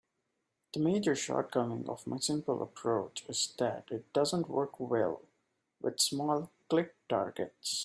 The major shortcoming of my simple approach is that it doesn't work well with small click targets.